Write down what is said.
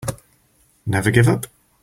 Never give up.